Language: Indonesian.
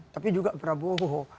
tapi juga prabowo